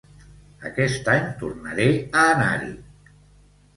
Aquest any tornaré a anar-hi